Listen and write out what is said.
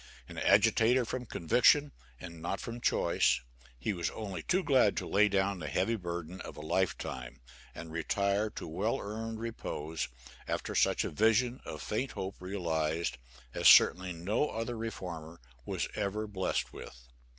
An agitator from conviction and not from choice, he was only too glad to lay down the heavy burden of a life time, and retire to well earned repose, after such a vision of faint hope realized as certainly no other reformer was ever blessed with.